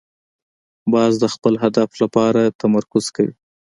باز د خپل هدف لپاره تمرکز کوي